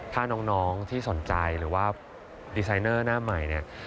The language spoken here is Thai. ถ้าน้องที่สนใจหรือว่าดีไซเนอร์หน้าใหม่เนี่ย